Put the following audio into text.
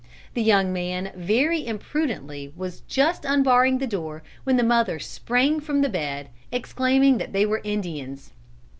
The young man very imprudently was just unbarring the door when the mother sprang from the bed, exclaiming that they were Indians.